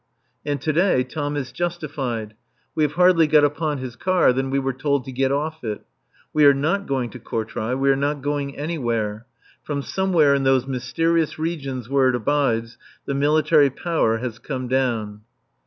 And to day Tom is justified. We have hardly got upon his car than we were told to get off it. We are not going to Courtrai. We are not going anywhere. From somewhere in those mysterious regions where it abides, the Military Power has come down.